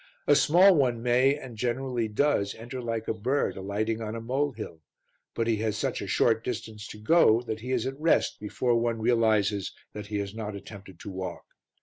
A small one may, and generally does, enter like a bird alighting on a molehill, but he has such a short distance to go that he is at rest before one realizes that he has not attempted to walk.